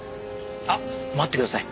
あっ待ってください。